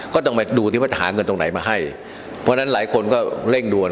ก็ต้องมาดูที่ว่าจะหาเงินตรงไหนมาให้เพราะฉะนั้นหลายคนก็เร่งด่วน